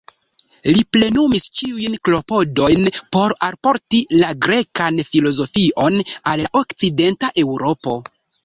Li plenumis ĉiujn klopodojn por alporti la grekan filozofion al la Okcidenta Eŭropo.